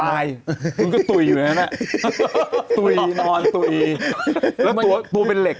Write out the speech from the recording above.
ตายคุณก็ตุ๋ยอยู่ในนั้นแหละตุ๋ยนอนตุ๋ยแล้วตัวเป็นเหล็ก